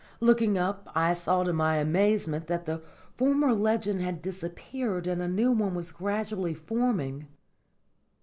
Looking up, I saw to my amazement that the former legend had disappeared and a new one was gradually forming.